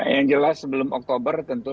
yang jelas sebelum oktober tentu